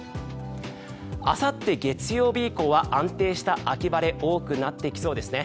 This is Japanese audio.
明後日月曜日以降は安定した秋晴れが多くなってきそうです。